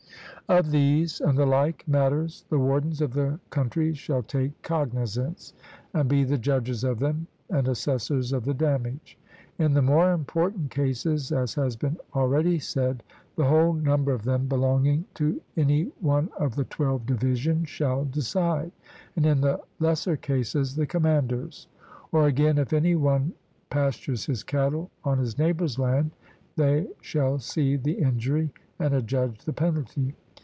Of these and the like matters the wardens of the country shall take cognizance, and be the judges of them and assessors of the damage; in the more important cases, as has been already said, the whole number of them belonging to any one of the twelve divisions shall decide, and in the lesser cases the commanders: or, again, if any one pastures his cattle on his neighbour's land, they shall see the injury, and adjudge the penalty.